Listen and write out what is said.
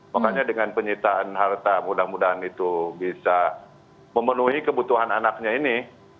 makanya dengan penyitaan harta mudah mudahan itu bisa memenuhi kebutuhan anaknya ini